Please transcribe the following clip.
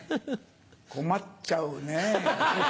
困っちゃうねぇ。